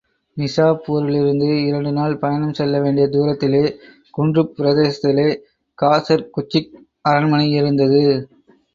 நிசாப்பூரிலிருந்து இரண்டு நாள் பயணம் செல்ல வேண்டிய தூரத்திலே, குன்றுப் பிரதேசத்திலே காசர் குச்சிக் அரண்மனை யிருந்தது.